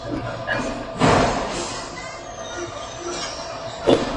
Luego que intenta matarlo, con el objetivo de arrancarle su corazón.